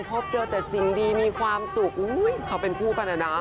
พบเจอแต่สิ่งดีมีความสุขอุ้ยเขาเป็นคู่กันนะ